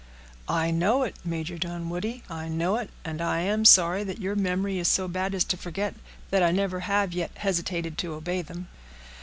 "I know it, Major Dunwoodie—I know it; and I am sorry that your memory is so bad as to forget that I never have yet hesitated to obey them."